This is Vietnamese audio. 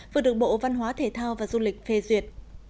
vừa được bộ văn hóa thể thao và du lịch phê duyệt